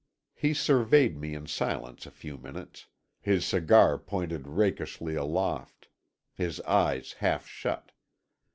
He surveyed me in silence a few minutes, his cigar pointed rakishly aloft, his eyes half shut.